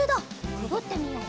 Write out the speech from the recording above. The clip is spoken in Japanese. くぐってみよう。